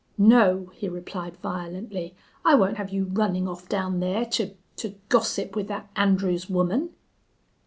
"No!" he replied, violently. "I won't have you running off down there to to gossip with that Andrews woman."